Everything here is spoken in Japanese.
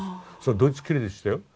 ドイツきれいでしたよ。